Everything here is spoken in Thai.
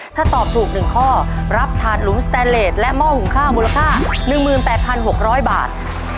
ถ้าตอบถูก๑ข้อรับถาดหลุมสแตนเลสและหม้อหุงข้าวมูลค่า๑๘๖๐๐บาท